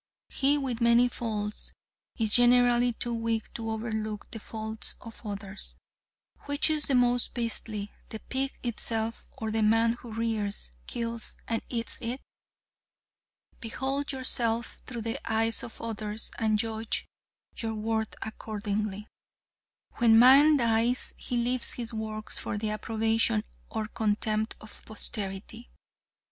He with many faults is generally too weak to overlook the faults of others. Which is the most beastly, the pig itself, or the man who rears, kills and eats it? Behold yourself through the eyes of others and judge your worth accordingly. When man dies he leaves his works for the approbation or contempt of posterity.